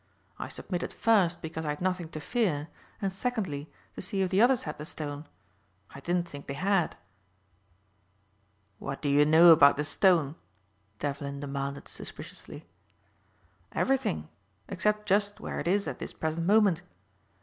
I submitted first because I had nothing to fear and secondly to see if the others had the stone. I didn't think they had." "What do you know about the stone?" Devlin demanded suspiciously. "Everything except just where it is at this present moment.